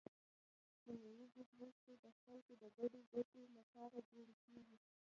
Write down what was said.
سیمه ایزې پریکړې د خلکو د ګډې ګټې لپاره جوړې کیږي.